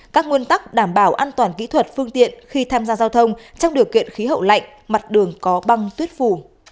các nguyên tắc đảm bảo an toàn kỹ thuật phương tiện khi tham gia giao thông trong điều kiện khí hậu lạnh mặt đường có băng tuyết phù